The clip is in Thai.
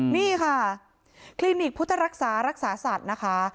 นี่ค่ะคลินิกพุทธรักษารักษารักษาสัตว์นะคะ